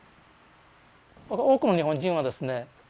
多くの日本人はですね